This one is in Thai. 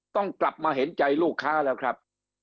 ต้องกลับมาเห็นใจลูกค้าแล้วครับ